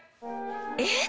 えっ？